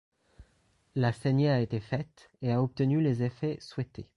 La saignée a été faite et a obtenu les effets souhaités.